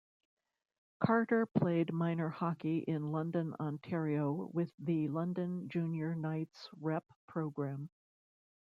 Carter played minor hockey in London, Ontario, with the London Junior Knights rep program.